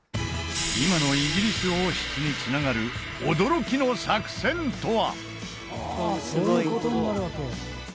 今のイギリス王室につながる驚きの作戦とは！？